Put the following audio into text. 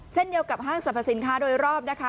เช่นเดียวกับห้างสรรพสินค้าโดยรอบนะคะ